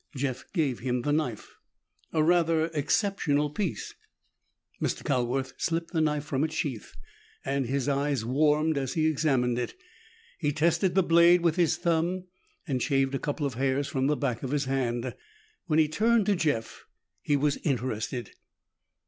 Jeff gave him the knife. "A rather exceptional piece." Mr. Calworth slipped the knife from its sheath, and his eyes warmed as he examined it. He tested the blade with his thumb and shaved a couple of hairs from the back of his hand. When he turned to Jeff, he was interested.